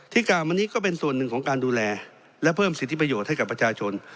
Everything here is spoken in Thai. กล่าวมานี้ก็เป็นส่วนหนึ่งของการดูแลและเพิ่มสิทธิประโยชน์ให้กับประชาชน